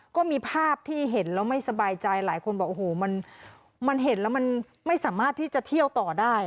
ก็มีภาพที่เห็นแล้วไม่สบายใจหลายคนบอกโอ้โหมันเห็นแล้วมันไม่สามารถที่จะเที่ยวต่อได้